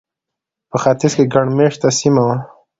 په ختیځ کې ګڼ مېشته سیمه وه.